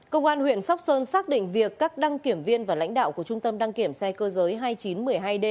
công an huyện sóc sơn xác định việc các đăng kiểm viên và lãnh đạo của trung tâm đăng kiểm xe cơ giới hai nghìn chín trăm một mươi hai d